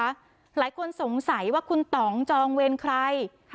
หลายคนสงสัยว่าคุณต่องจองเวรใคร